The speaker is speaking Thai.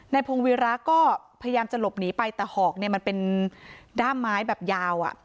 พงวีระก็พยายามจะหลบหนีไปแต่หอกเนี่ยมันเป็นด้ามไม้แบบยาว